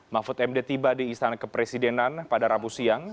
mahfud md tiba di istana kepresidenan pada rabu siang